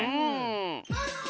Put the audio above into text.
うん。